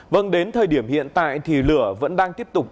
vâng đến thời điểm hiện tại thì lửa vẫn đang tiếp tục